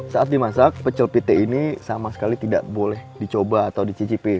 saat dimasak pecel pite ini sama sekali tidak boleh dicoba atau dicicipi